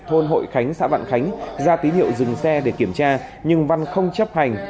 thôn hội khánh xã vạn khánh ra tín hiệu dừng xe để kiểm tra nhưng văn không chấp hành